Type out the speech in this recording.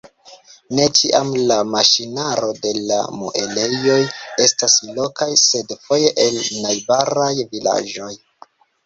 Ne ĉiam la maŝinaro de la muelejoj estas lokaj, sed foje el najbaraj vilaĝoj.